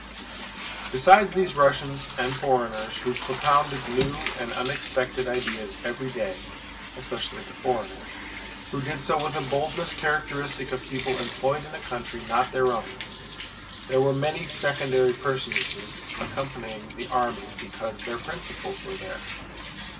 Besides these Russians and foreigners who propounded new and unexpected ideas every day—especially the foreigners, who did so with a boldness characteristic of people employed in a country not their own—there were many secondary personages accompanying the army because their principals were there.